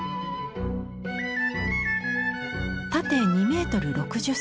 縦２ｍ６０ｃｍ。